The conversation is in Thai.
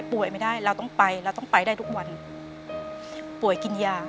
เปลี่ยนเพลงเพลงเก่งของคุณและข้ามผิดได้๑คำ